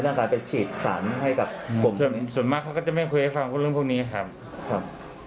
การไปฉีดสารให้กับผมส่วนมากเขาก็จะไม่คุยให้ฟังเรื่องพวกนี้ครับ